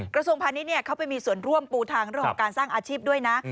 กระทรวงพาณิชย์เขาไปมีส่วนร่วมปูทางเรื่องของการสร้างอาชีพด้วยนะ